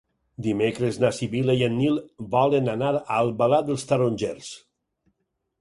Dimecres na Sibil·la i en Nil volen anar a Albalat dels Tarongers.